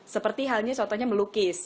seperti halnya contohnya melukis